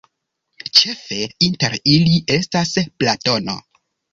Ĉefe inter ili estas Platono.